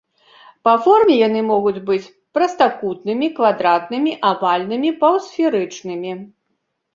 Па форме яны могуць быць прастакутнымі, квадратнымі, авальнымі, паўсферычнымі.